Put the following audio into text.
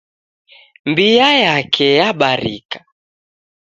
Mbiya yake yabarika.